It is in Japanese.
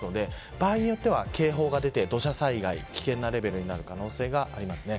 場合によっては警報が出て土砂災害、危険なレベルになる可能性があります。